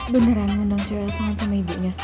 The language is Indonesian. beneran ngundang cewek asalan sama ibunya